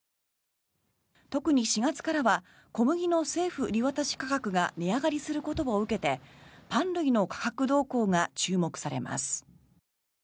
特に、４月からは小麦の政府売渡価格が値上がりすることを受けてパン類の価格動向が注目されます。